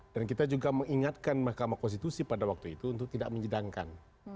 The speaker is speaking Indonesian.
dan kita juga mengingatkan mahkamah konstitusi pada waktu itu untuk tidak menjedangkan